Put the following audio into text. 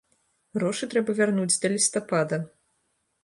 Грошы трэба вярнуць да лістапада.